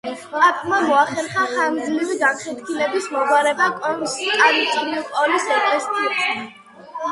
პაპმა მოახერხა ხანგრძლივი განხეთქილების მოგვარება კონსტანტინოპოლის ეკლესიასთან.